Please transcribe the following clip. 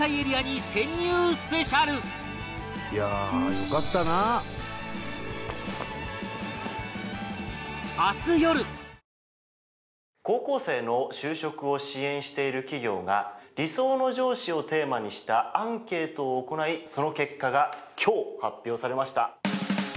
ぷっ事実「特茶」高校生の就職を支援している企業が理想の上司をテーマにしたアンケートを行いその結果が今日、発表されました。